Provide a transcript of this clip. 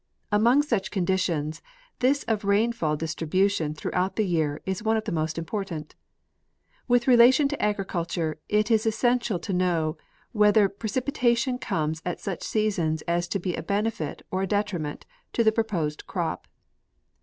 Among such conditions, this of rainfall dis tribution throughout the year is one of the most important. With relation to agriculture, it is essential to know whether pre cipitation comes at such seasons as to be a benefit or a detriment to the jiroposed crop.